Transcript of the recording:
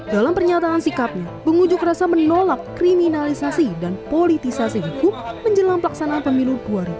dalam pernyataan sikapnya pengunjuk rasa menolak kriminalisasi dan politisasi hukum menjelang pelaksanaan pemilu dua ribu dua puluh